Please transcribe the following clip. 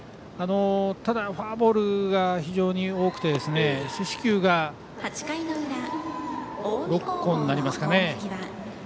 ただ、フォアボールが非常に多くて四死球が６個になりますかね。